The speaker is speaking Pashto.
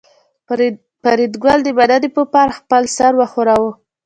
فریدګل د مننې په پار خپل سر وښوراوه